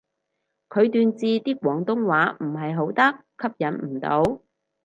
佢段字啲廣東話唔係好得，吸引唔到